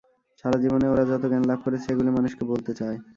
সারা জীবনে ওরা যত জ্ঞান লাভ করেছে, এগুলি মানুষকে বলতে চায়।